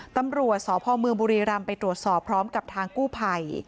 ตำรวจสพเมืองบุรีรำไปตรวจสอบพร้อมกับทางกู้ภัย